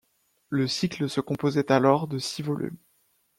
Le Cycle se composait alors de six volumes.